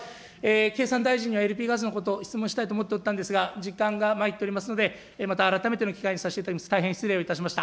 経産大臣にはＬＰガスのことを質問したいと思っていたんですが、時間がまいっておりますので、また改めての機会にさせていただきます。